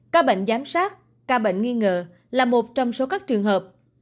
các bệnh giám sát ca bệnh nghi ngờ là một trong số các trường hợp